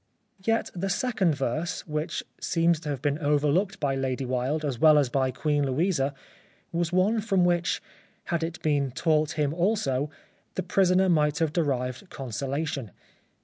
Yet the second verse, which seems to have been overlooked by Lady Wilde as well as by Queen Louisa, was one from which, had it been taught him also, the prisoner might have derived consolation.